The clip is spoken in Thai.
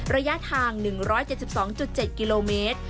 ระยะทาง๑๗๒๗กิโลเมตร